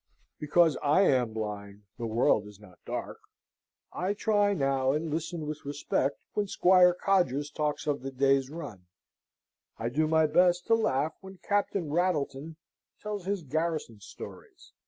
Because I am blind the world is not dark. I try now and listen with respect when Squire Codgers talks of the day's run. I do my best to laugh when Captain Rattleton tells his garrison stories.